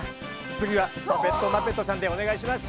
次はパペットマペットさんでお願いします。